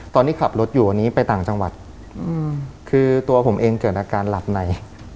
ตอนนี้ขับรถอยู่อันนี้ไปต่างจังหวัดคือตัวผมเองเกิดอาการหลับใน